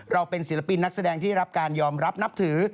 เราเป็นศิลปินนักแสดงที่รับการยอมรับนับถือ